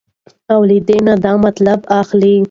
او له دې نه دا مطلب اخلو